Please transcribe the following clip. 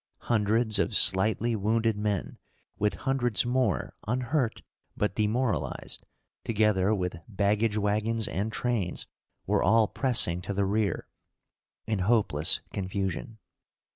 Hundreds of slightly wounded men, with hundreds more unhurt, but demoralized, together with baggage wagons and trains, were all pressing to the rear, in hopeless confusion.